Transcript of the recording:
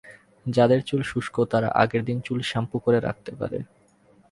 যাদের চুল শুষ্ক, তারা আগের দিন চুল শ্যাম্পু করে রাখতে পারে।